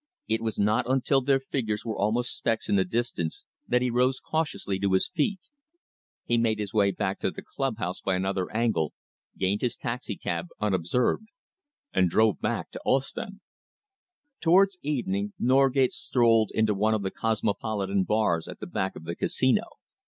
It was not until their figures were almost specks in the distance that he rose cautiously to his feet. He made his way back to the club house by another angle, gained his taxicab unobserved, and drove back to Ostend. Towards evening Norgate strolled into one of the cosmopolitan bars at the back of the Casino.